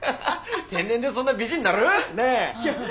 天然でそんな美人なる？ねえ！はあ。